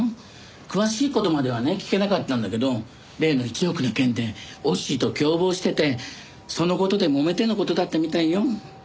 詳しい事まではね聞けなかったんだけど例の１億の件でオッシーと共謀しててその事でもめての事だったみたいよ。